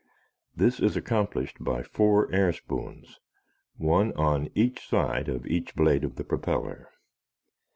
This is accomplished by four air spoons, one on each side of each blade of the propeller.